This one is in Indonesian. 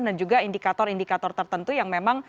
dan juga indikator indikator tertentu yang memang